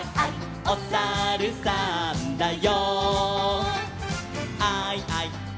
「おさるさんだよ」